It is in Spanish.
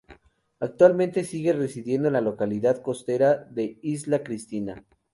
Actualmente sigue residiendo en la localidad costera de Isla Cristina.